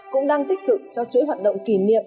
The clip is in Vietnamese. cũng đang tích cực cho chuỗi hoạt động kỷ niệm